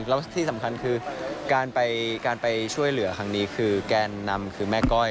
แล้วที่สำคัญคือการไปช่วยเหลือครั้งนี้คือแกนนำคือแม่ก้อย